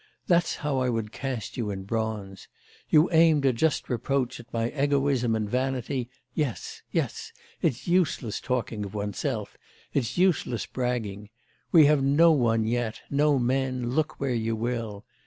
That's how I would cast you in bronze. You aimed a just reproach at my egoism and vanity! Yes! yes! it's useless talking of one's self; it's useless bragging. We have no one yet, no men, look where you will.